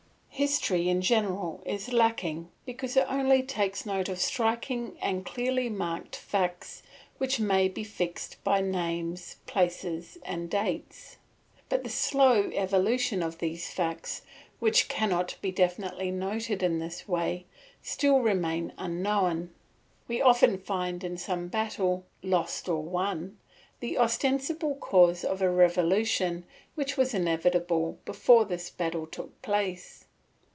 History in general is lacking because it only takes note of striking and clearly marked facts which may be fixed by names, places, and dates; but the slow evolution of these facts, which cannot be definitely noted in this way, still remains unknown. We often find in some battle, lost or won, the ostensible cause of a revolution which was inevitable before this battle took place.